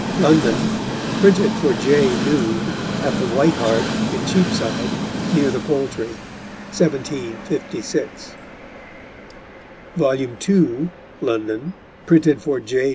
London: Printed for J. Noon, at the White Hart in Cheapside, near the Poultry, MDCCLVI_. [_Vol. II. London: Printed for J.